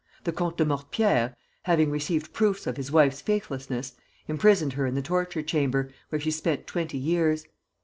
The Comte de Mortepierre, having received proofs of his wife's faithlessness, imprisoned her in the torture chamber, where she spent twenty years.